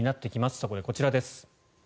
そこでこちらです。